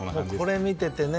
これを見ていてね